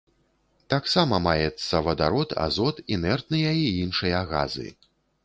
Таксама маецца вадарод, азот, інертныя і іншыя газы.